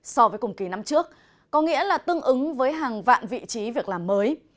so với cùng kỳ năm trước có nghĩa là tương ứng với hàng vạn vị trí việc làm mới